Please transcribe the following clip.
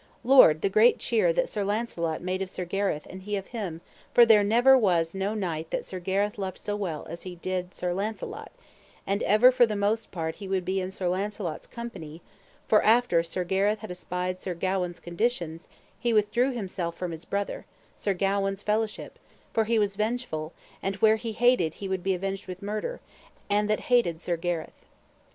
Lord! the great cheer that Sir Launcelot made of Sir Gareth and he of him, for there was never no knight that Sir Gareth loved so well as he did Sir Launcelot; and ever for the most part he would be in Sir Launcelot's company; for after Sir Gareth had espied Sir Gawaine's conditions, he withdrew himself from his brother, Sir Gawaine's, fellowship, for he was vengeable, and where he hated he would be avenged with murder, and that hated Sir Gareth.